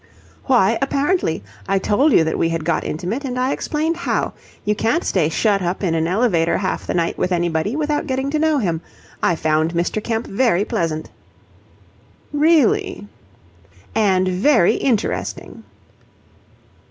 "Why 'apparently'? I told you that we had got intimate, and I explained how. You can't stay shut up in an elevator half the night with anybody without getting to know him. I found Mr. Kemp very pleasant." "Really?" "And very interesting."